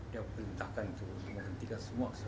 dia perintahkan itu menghentikan semua aksi massa